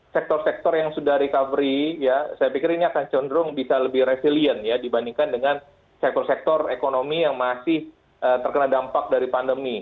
sektor sektor yang sudah recovery ya saya pikir ini akan cenderung bisa lebih resilient ya dibandingkan dengan sektor sektor ekonomi yang masih terkena dampak dari pandemi